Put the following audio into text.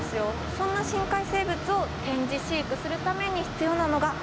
そんな深海生物を展示飼育するために必要なのがこちら。